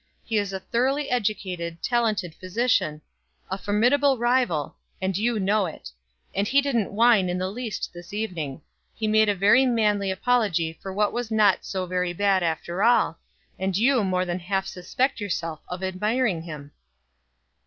He is a thoroughly educated, talented physician, a formidable rival, and you know it; and he didn't whine in the least this evening; he made a very manly apology for what was not so very bad after all, and you more than half suspect yourself of admiring him."